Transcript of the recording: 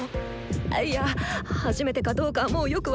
いや初めてかどうかもうよく分からないが！